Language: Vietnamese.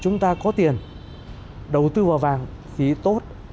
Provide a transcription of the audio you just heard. chúng ta có tiền đầu tư vào vàng thì tốt